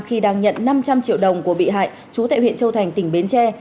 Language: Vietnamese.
khi đang nhận năm trăm linh triệu đồng của bị hại chú tại huyện châu thành tỉnh bến tre